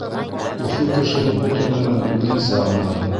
Өфө кешеһе бөтә нәмәне үҙенсә аңлай.